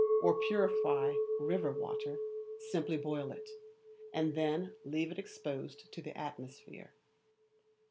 or purify river water, simply boil it, and then leave it exposed to the atmosphere.